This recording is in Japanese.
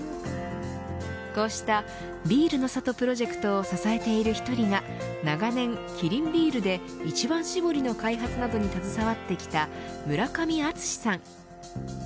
こうしたビールの里プロジェクトを支えている１人が長年キリンビールで一番搾りの開発に携わってきた村上敦司さん。